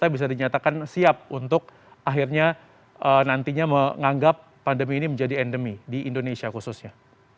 bisa dinyatakan siap untuk akhirnya nantinya menganggap pandemi ini menjadi endemi di indonesia khususnya